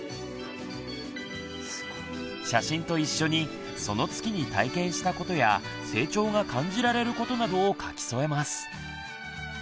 写真と一緒にその月に体験したことや成長が感じられることなどを書き添えます。